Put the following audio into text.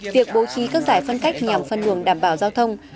việc bố trí các giải phân cách nhằm phân luồng đảm bảo giao thông